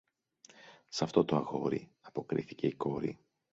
Σ' αυτό το αγόρι, αποκρίθηκε η κόρη